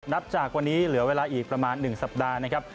นับจากวันนี้เหลือเวลาอีกประมาณ๑สัปดาห์นะครับ